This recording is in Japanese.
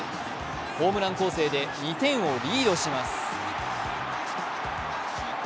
ホームラン攻勢で２点をリードします。